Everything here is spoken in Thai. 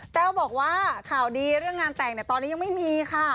แต้วบอกว่าข่าวดีเรื่องงานแต่งตอนนี้ยังไม่มีค่ะ